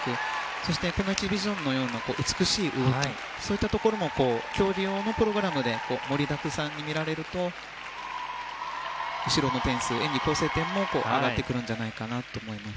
そしてこのエキシビションのような美しい動き、そういったところも競技用のプログラムで盛りだくさんに見られると後ろの点数演技構成点も上がってくるんじゃないかなと思います。